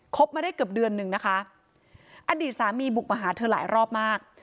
มาได้เกือบเดือนหนึ่งนะคะอดีตสามีบุกมาหาเธอหลายรอบมาก